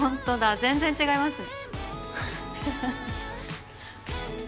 全然違いますね。